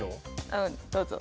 うんどうぞ。